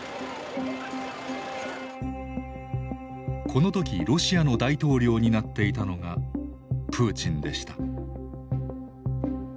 この時ロシアの大統領になっていたのがプーチンでした。